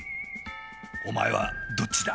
おまえはどっちだ？